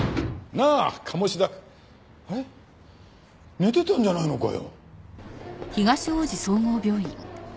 寝てたんじゃないのかよ。